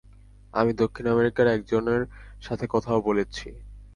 আমি দক্ষিণ আমেরিকার একজনের সাথে কথাও বলছি।